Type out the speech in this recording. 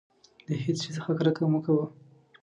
د هېڅ شي څخه کرکه مه کوه.